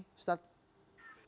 bagaimana perjuangan ini ustadz